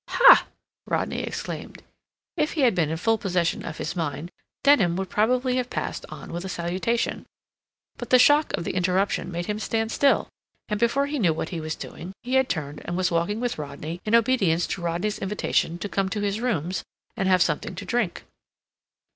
"Ha!" Rodney exclaimed. If he had been in full possession of his mind, Denham would probably have passed on with a salutation. But the shock of the interruption made him stand still, and before he knew what he was doing, he had turned and was walking with Rodney in obedience to Rodney's invitation to come to his rooms and have something to drink.